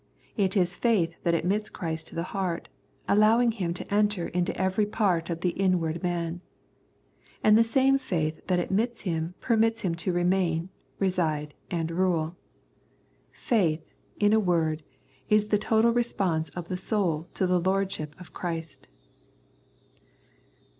It is faith that admits Christ to the heart, allowing Him to enter into every part of the " inward man." And the same faith that admits Him permits Him to remain, reside, and rule. Faith, in a word, is the total response of the soul to the Lordship of Christ.